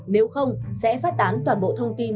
nếu không sẽ phát tán toàn bộ thông tin